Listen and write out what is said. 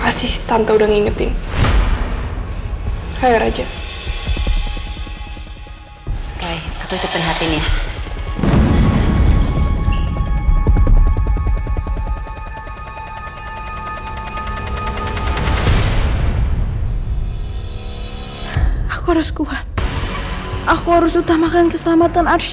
istrinya diego kemana